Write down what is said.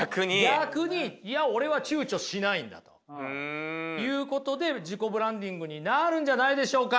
逆にいや俺は躊躇しないんだということで自己ブランディングになるんじゃないでしょうか？